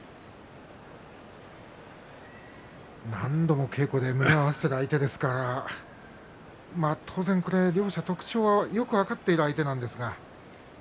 何度も稽古で胸を合わせている相手ですから当然、特徴はよく分かっている相手なんですけど。